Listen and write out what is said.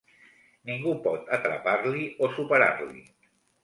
Ningú pot atrapar-li o superar-li.